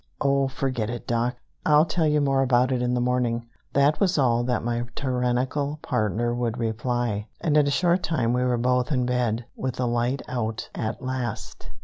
"Oh, forget it, Doc. I'll tell you more about it in the morning," was all that my tyrannical partner would reply. And in a short time we were both in bed, with the light out, at last.